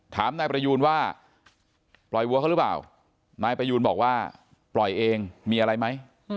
ถามนายประยูนว่าปล่อยวัวเขาหรือเปล่านายประยูนบอกว่าปล่อยเองมีอะไรไหม